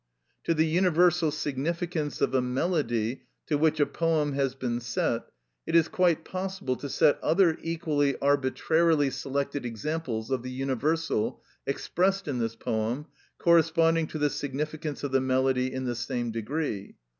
To the universal significance of a melody to which a poem has been set, it is quite possible to set other equally arbitrarily selected examples of the universal expressed in this poem corresponding to the significance of the melody in the same degree.